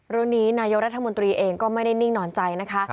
เรื่องนี้นายกรัฐมนตรีเองก็ไม่ได้นิ่งนอนใจนะคะ